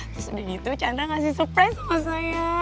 terus udah gitu canda ngasih surprise sama saya